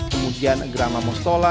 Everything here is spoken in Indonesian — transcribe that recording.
kemudian grama mustola